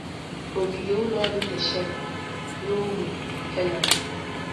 Ogige ụlọ ọrụ Desheng (na Ogbe Helan.